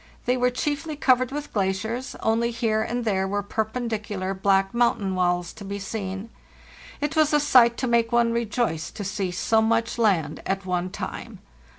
They were chiefly covered with glaciers, only here and there were perpen dicular black mountain walls to be seen. It was a sight to make one rejoice to see so much land at one time.